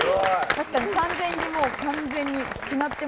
確かに完全にもう完全にしなってます